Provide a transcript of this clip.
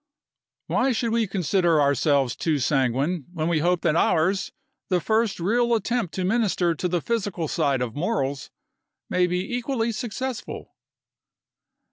Why should we consider ourselves too sanguine when we hope that ours, the first real attempt to minister to the physical side of morals, may be equally successful?"